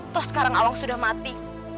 toh sekarang awang sudah mati